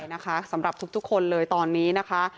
เป็นขอบใจนะคะสำหรับทุกคนเลยตอนนี้นะคะ